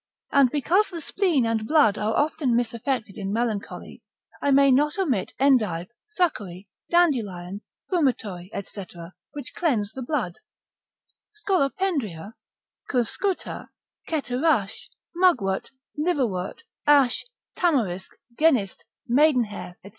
And because the spleen and blood are often misaffected in melancholy, I may not omit endive, succory, dandelion, fumitory, &c., which cleanse the blood, Scolopendria, cuscuta, ceterache, mugwort, liverwort, ash, tamarisk, genist, maidenhair, &c.